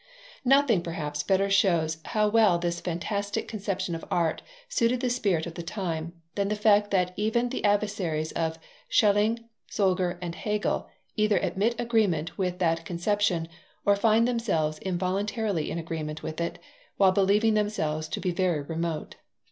Nothing perhaps better shows how well this fantastic conception of art suited the spirit of the time, than the fact that even the adversaries of Schelling, Solger, and Hegel either admit agreement with that conception, or find themselves involuntarily in agreement with it, while believing themselves to be very remote.